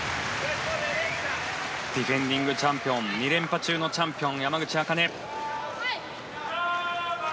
ディフェンディングチャンピオン２連覇中のチャンピオン山口茜。